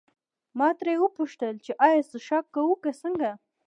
ما ترې وپوښتل چې ایا څښاک کوو که څنګه.